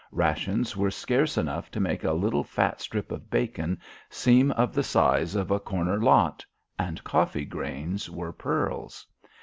Rations were scarce enough to make a little fat strip of bacon seem of the size of a corner lot, and coffee grains were pearls.